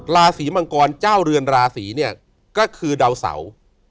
ราศีมังกรเจ้าเรือนราศีเนี่ยก็คือดาวเสา